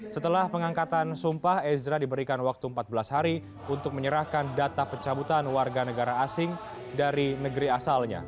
setelah pengangkatan sumpah ezra diberikan waktu empat belas hari untuk menyerahkan data pencabutan warga negara asing dari negeri asalnya